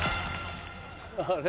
あれ？